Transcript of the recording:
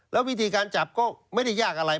แล้ววิธีการจับก็ไม่ได้ยากอะไร